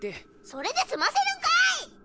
それで済ませるんかい！